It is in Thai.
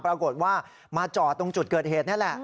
ปรากฏว่ามาจอดตรงจุดเกิดเหตุนี่แหละ